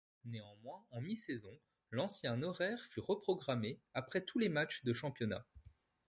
Néanmoins, en mi-saison, l'ancien horaire fut reprogrammé, après tous les matchs de championnat.